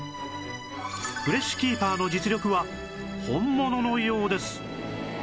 フレッシュキーパーの実力は本物のようです